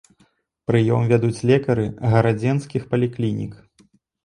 Прыём вядуць лекары гарадзенскіх паліклінік.